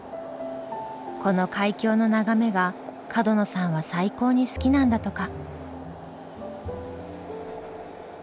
この海峡の眺めが角野さんは最高に好きなんだとか。